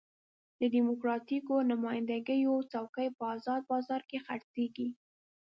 د ډیموکراتیکو نماینده ګیو څوکۍ په ازاد بازار کې خرڅېږي.